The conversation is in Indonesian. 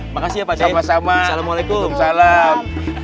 makasih apa sama sama alaikum salam